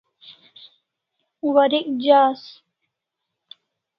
Warek jahaz